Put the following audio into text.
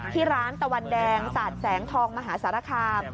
ที่ร้านตะวันแดงสาดแสงทองมหาสารคาม